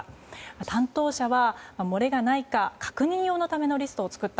担当者は漏れがないか確認用のためのリストを作った。